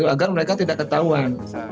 agar mereka tidak ketahuan